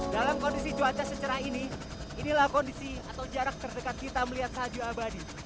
dalam kondisi cuaca secerah ini inilah kondisi atau jarak terdekat kita melihat salju abadi